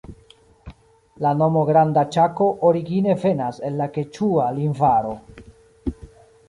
La nomo Granda Ĉako origine venas el la keĉua lingvaro.